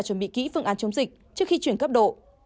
chuẩn bị kỹ phương án chống dịch trước khi chuyển cấp độ